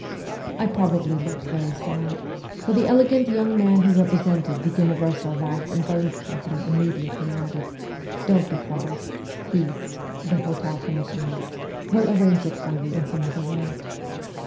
I probably looked very sad, for the elegant young man who represented the Universal Bags and Bones Company immediately added :' Don't be troubled. He [the hotel commissionnaire] will arrange it for you in some other way.'